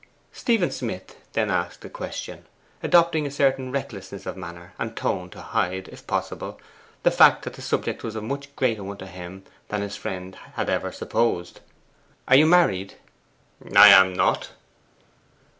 Stephen Smith then asked a question, adopting a certain recklessness of manner and tone to hide, if possible, the fact that the subject was a much greater one to him than his friend had ever supposed. 'Are you married?' 'I am not.